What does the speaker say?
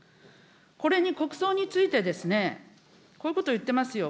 これに国葬について、こういうこといってますよ。